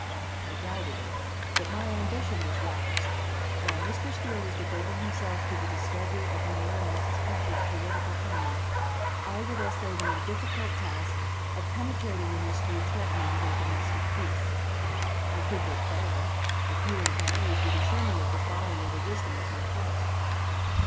I doubted it, but my ambition was roused. While Mr. Steele was devoting himself to the discovery of Mayor and Mrs. Packard's political enemy, I would essay the more difficult task of penetrating the mystery threatening their domestic peace. I could but fail; a few inquiries would assure me of the folly or the wisdom of my course.